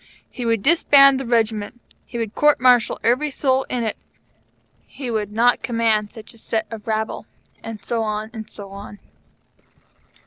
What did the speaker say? He would disband the Regiment he would court martial every soul in it he would not command such a set of rabble, and so on, and so on.